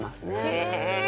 へえ！